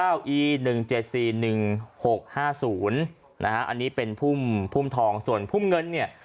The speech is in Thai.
อันนี้เป็นภูมิทองส่วนภูมิเงินเนี่ย